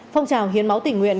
phong trào hiến máu tình nguyện